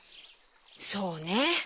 そうね。